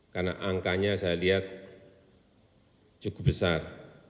karena angkanya saya lihat cukup besar dua puluh sembilan tujuh